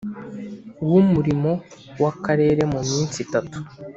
w umurimo w Akarere mu minsi itatu